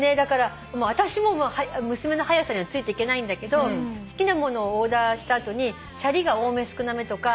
私も娘の速さにはついていけないんだけど好きなものをオーダーした後にシャリが多め少なめとか。